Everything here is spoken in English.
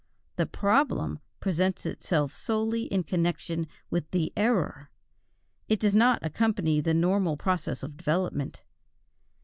The problem presents itself solely in connection with the error, it does not accompany the normal process of development.